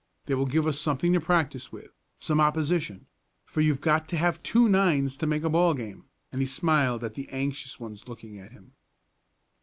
They will give us something to practice with some opposition for you've got to have two nines to make a ball game," and he smiled at the anxious ones looking at him.